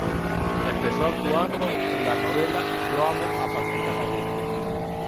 Empezó actuando en la novela "Yo amo a Paquita Gallego".